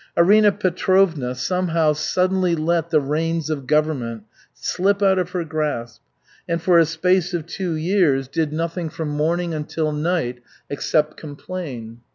Arina Petrovna somehow suddenly let the reins of government slip out of her grasp, and for a space of two years did nothing from morning until night except complain.